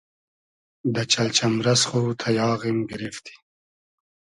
دۂ چئلجئمرئس خو تئیاغیم گیریفتی